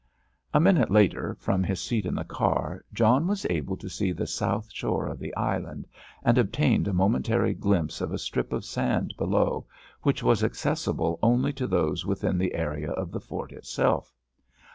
A minute later, from his seat in the car, John was able to see the south shore of the island, and obtained a momentary glimpse of a strip of sand below, which was accessible only to those within the area of the fort itself.